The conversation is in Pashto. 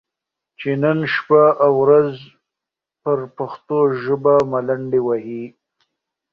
چې نن شپه او ورځ پر پښتو ژبه ملنډې وهي،